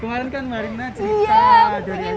kemarin kan mbak rina cerita dari smp